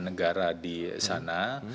negara di sana